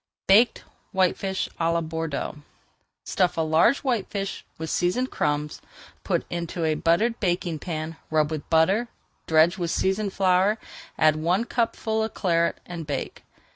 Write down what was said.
BAKED WHITEFISH À LA BORDEAUX Stuff a large whitefish with seasoned crumbs, put into a buttered baking pan, rub with butter, dredge with seasoned flour, add one cupful of Claret, and bake.